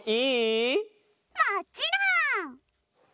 もっちろん！